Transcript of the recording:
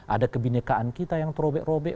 ada kebenekaan kita yang terobek robek